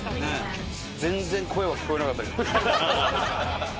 全然声は聞こえなかったけどね。